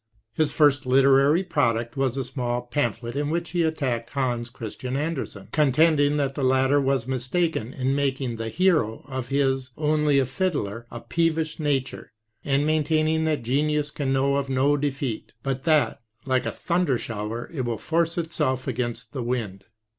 His first literary product was a small pamphlet in which he attacked Hans Christian Andersen, contending that the latter was mistaken in making the hero of his " Only a Fiddler " a peevish nature, and maintaining that genius can know of no defeat, but that, like a thunder shower, it will force itself against the wind.